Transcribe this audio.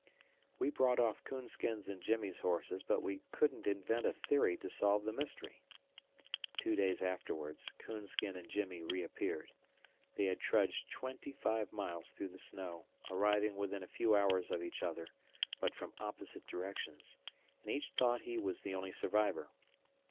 We brought off "Coonskin's" and Jimmie's horses, but we couldn't invent a theory to solve the mystery. Two days afterwards, "Coonskin" and Jimmie reappeared. They had trudged twenty five miles through the snow, arriving within a few hours of each other, but from opposite directions, and each thought he was the only survivor.